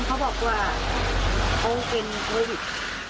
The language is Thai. เขาบอกว่าเขาเป็นโควิด